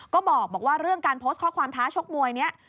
ก็บอกว่าเรื่องการโพสต์ข้อความท้าชกมวยนี้